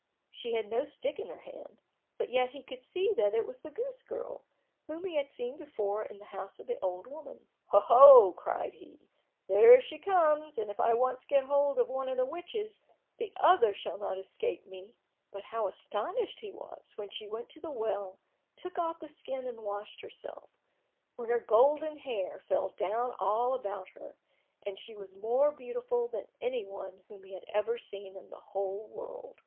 She had no stick in her hand, but yet he could see that it was the goose girl, whom he had seen before in the house of the old woman. "Oho," cried he, "there she comes, and if I once get hold of one of the witches, the other shall not escape me!" But how astonished he was, when she went to the well, took off the skin and washed herself, when her golden hair fell down all about her, and she was more beautiful than any one whom he had ever seen in the whole world.